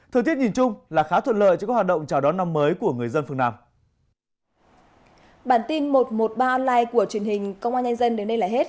thời tiết nhìn chung là khá thuận lợi cho các hoạt động chào đón năm mới của người dân phương nam